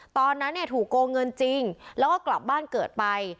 ตอนนั้นเนี่ยถูกโกงเงินจริงแล้วก็กลับบ้านเกิดไป